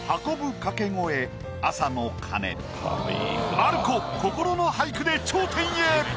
まる子心の俳句で頂点へ。